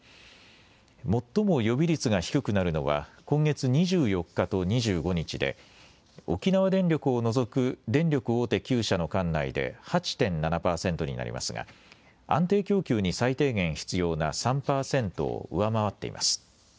最も予備率が低くなるのは今月２４日と２５日で沖縄電力を除く電力大手９社の管内で８．７％になりますが安定供給に最低限必要な３％を上回っています。